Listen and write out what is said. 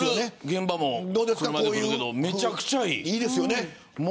現場も車で来るけどめちゃくちゃいい。